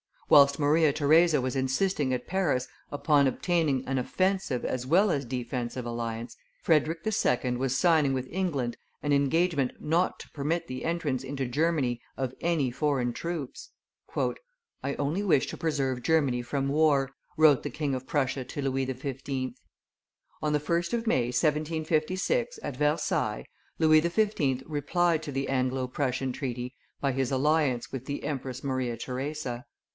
Whilst Maria Theresa was insisting at Paris upon obtaining an offensive as well as defensive alliance, Frederick II. was signing with England an engagement not to permit the entrance into Germany of any foreign troops. "I only wish to preserve Germany from war," wrote the King of Prussia to Louis XV. On the 1st of May, 1756, at Versailles, Louis XV. replied to the Anglo Prussian treaty by his alliance with the Empress Maria Theresa.